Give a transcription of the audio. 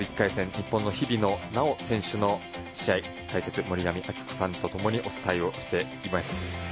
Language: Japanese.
日本の日比野菜緒選手の試合解説、森上亜希子さんとともにお伝えをしています。